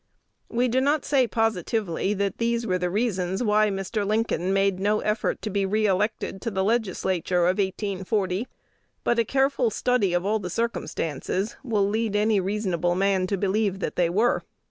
We do not say positively that these were the reasons why Mr. Lincoln made no effort to be re elected to the Legislature of 1840; but a careful study of all the circumstances will lead any reasonable man to believe that they were.